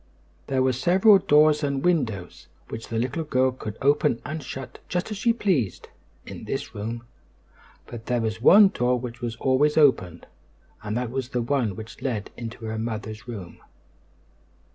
There were several doors and windows, which the little girl could open and shut just as she pleased, in this room; but there was one door which was always open, and that was the one which led into her mother's room.